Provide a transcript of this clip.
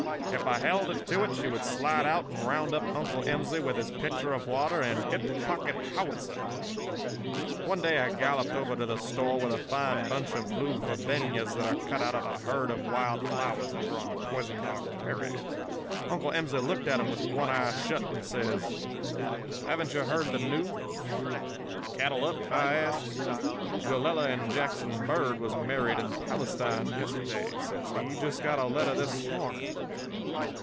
If I held her to it she would slide out and round up Uncle Emsley with his pitcher of water and hip pocket howitzer. "One day I galloped over to the store with a fine bunch of blue verbenas that I cut out of a herd of wild flowers over on Poisoned Dog Prairie. Uncle Emsley looked at 'em with one eye shut and says: "'Haven't ye heard the news?' "'Cattle up?' I asks. "'Willella and Jackson Bird was married in Palestine yesterday,' says he. 'Just got a letter this morning.